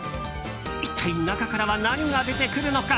一体中からは何が出てくるのか。